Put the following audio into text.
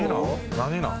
何なん？」